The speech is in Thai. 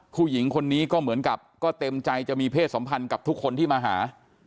ผู้หญิงคนนี้ก็เหมือนกับก็เต็มใจจะมีเพศสัมพันธ์กับทุกคนที่มาหา